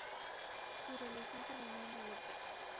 Su relación terminó en divorcio.